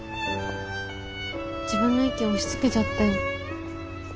自分の意見押しつけちゃったよ。